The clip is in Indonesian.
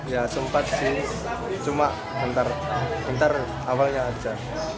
ya sempat sih cuma bentar awalnya aja